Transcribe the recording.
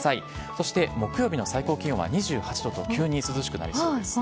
そして木曜日の最高気温は２８度と、急に涼しくなりそうですね。